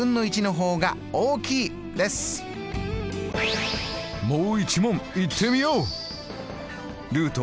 もう一問いってみよう！